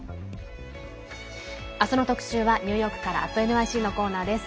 明日の特集はニューヨークから「＠ｎｙｃ」のコーナーです。